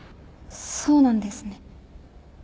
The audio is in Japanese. そうなんですね。